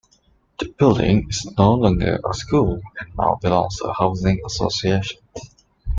The building is no longer a school and now belongs to a housing association.